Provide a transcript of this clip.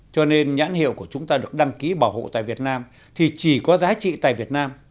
cho nên nhãn hiệu của chúng ta được đăng ký bảo hộ tại việt nam thì chỉ có giá trị tại việt nam